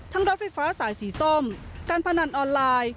รถไฟฟ้าสายสีส้มการพนันออนไลน์